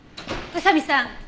宇佐見さん